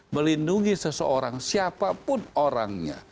melindungi seseorang siapapun orangnya